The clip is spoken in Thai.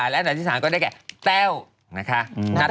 และอันดับที่สามก็ได้แก่เต้า